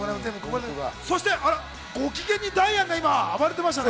そしてご機嫌にダイアンが暴れてましたね。